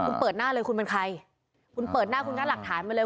คุณเปิดหน้าเลยคุณเป็นใครคุณเปิดหน้าคุณก็หลักฐานมาเลย